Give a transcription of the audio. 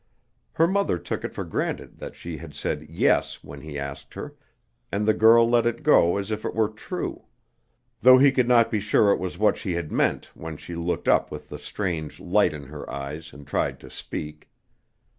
Her mother took it for granted that she had said "yes" when he asked her, and the girl let it go as if it were true; though he could not be sure it was what she had meant when she looked up with the strange light in her eyes, and tried to speak.